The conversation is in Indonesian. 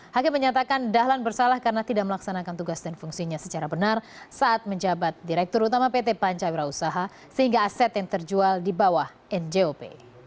hakim menyatakan dahlan bersalah karena tidak melaksanakan tugas dan fungsinya secara benar saat menjabat direktur utama pt pancawira usaha sehingga aset yang terjual di bawah njop